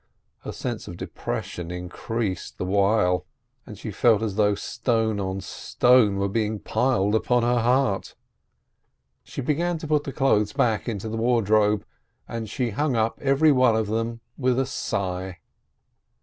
Her sense of depression increased the while, and she felt as though stone on stone were being piled upon her heart. She began to put the clothes back into the ward robe, and she hung up every one of them with a sigh.